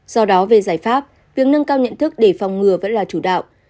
do đó về giải pháp việc nâng cao nhận thức để phòng ngừa vẫn là chủ đạo